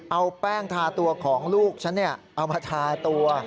เอาแป้งทาตัวของลูกฉันเอามาทาตัว